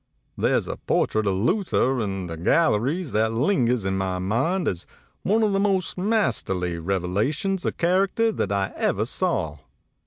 There's a portrait of Luther in one of the gal leries that lingers in my mind as one of the most masterly revelations of character that I ever saw.